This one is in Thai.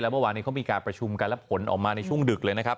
เมื่อวานนี้เขามีการประชุมกันและผลออกมาในช่วงดึกเลยนะครับ